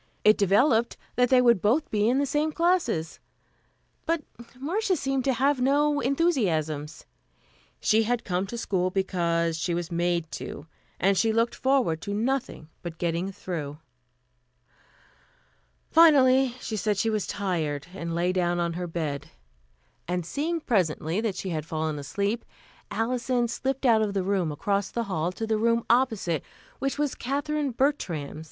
It developed that they would be in the same classes; but Marcia seemed to have no enthusiasms. She had come to school because she was made to, and she looked forward to nothing but getting through. Finally she said she was tired and lay down on her bed; and seeing presently that she had fallen asleep, Alison slipped out of the room across the hall to the room opposite, which was Katherine Bertram's.